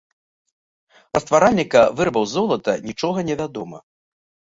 Пра стваральніка вырабаў з золата нічога невядома.